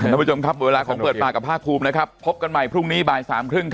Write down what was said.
นะเพื่อจงครับเวลาของเปิดบาดกับภาครองค์